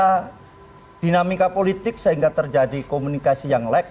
ada dinamika politik sehingga terjadi komunikasi yang lag